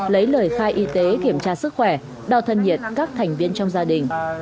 lấy lời khai y tế kiểm tra sức khỏe đo thân nhiệt các thành viên trong gia đình